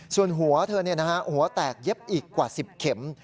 ส่วนหัวเธอหัวแตกเย็บอีกกว่า๑๐เข็ม